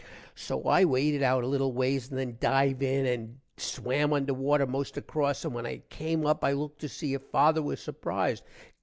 so i waded out a little ways and then div in and swam under water most across, and when i came up i looked to see if father was surprised.